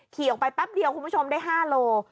ขี่ออกไปแป๊บเดียวคุณผู้ชมได้๕โล